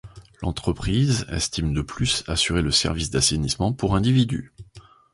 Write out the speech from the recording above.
L'entreprise estime de plus assurer le service d'assainissement pour individus.